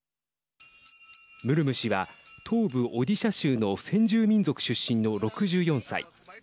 ムルム氏は、東部オディシャ州の先住民族出身の６４歳。